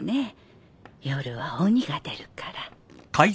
夜は鬼が出るから。